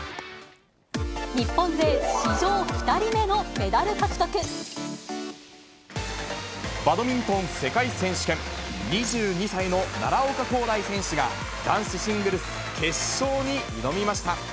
日本勢、バドミントン世界選手権、２２歳の奈良岡功大選手が、男子シングルス決勝に挑みました。